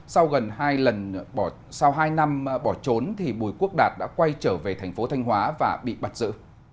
sau hai năm bỏ trốn bùi quốc đạt đã quay trở về thành phố thanh hóa và bị bắt giữ